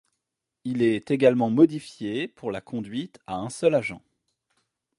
Il est également modifié pour la conduite à un seul agent.